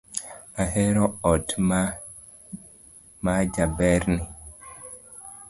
Ahero ot ma jaberni.